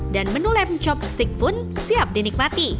dan menu lem chopstick pun siap dinikmati